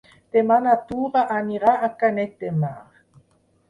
Demà na Tura anirà a Canet de Mar.